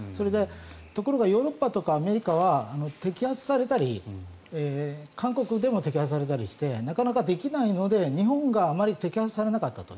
ところがヨーロッパとかアメリカは摘発されたり韓国でも摘発されたりしてなかなかできないので、日本があまり摘発されなかったと。